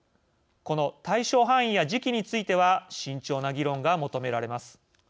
この対象範囲や時期については慎重な議論が求められます。